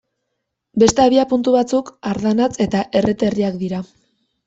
Beste abiapuntu batzuk Ardanatz eta Erreta herriak dira.